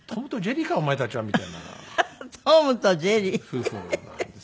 夫婦なんですよね。